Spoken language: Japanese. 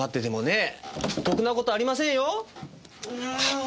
ああ。